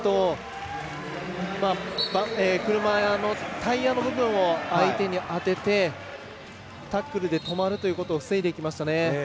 タイヤの部分を相手に当ててタックルで止まるということを防いでいきましたね。